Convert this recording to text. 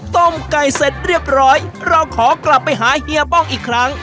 ต้มไก่เสร็จเรียบร้อยเราขอกลับไปหาเฮียป้องอีกครั้ง